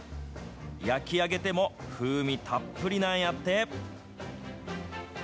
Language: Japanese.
焼き上げても、風味たっぷりなんやって。